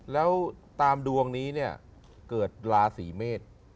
แล้วตามดวงนี้เนี่ยเกิดราศีเมษ